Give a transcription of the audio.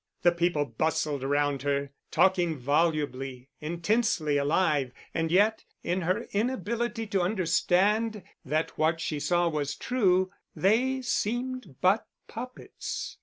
The people bustled around her, talking volubly, intensely alive, and yet, in her inability to understand that what she saw was true, they seemed but puppets.